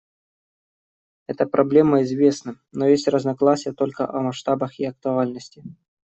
Это проблема известна, но есть разногласия только о масштабах и актуальности.